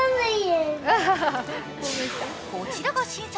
こちらが新作。